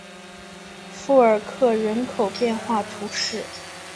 富尔克人口变化图示